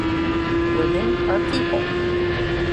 Women are people.